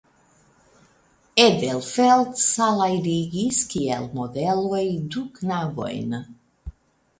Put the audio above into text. Edelfelt salajrigis kiel modeloj du knabojn.